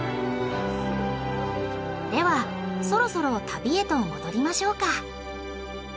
ではそろそろ旅へと戻りましょうか。